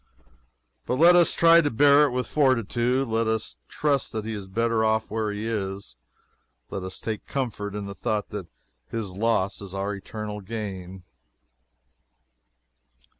But let us try to bear it with fortitude. Let us trust that he is better off where he is. Let us take comfort in the thought that his loss is our eternal gain.